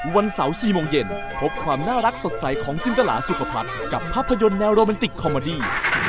วันเสาร์๔โมงเย็นพบความน่ารักสดใสของจินตราสุขภัทรกับภาพยนตร์แนวโรแมนติกคอมเมอดี้